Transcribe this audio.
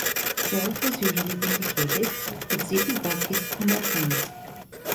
George was usually vindicated, but Zippy got his comeuppance.